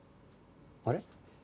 あれ？